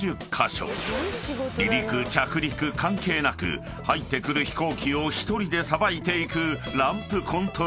［離陸・着陸関係なく入ってくる飛行機を１人でさばいていくランプコントローラー］